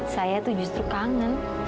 saya tuh justru kangen